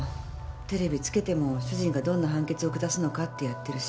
テレビつけても主人がどんな判決を下すのかってやってるし。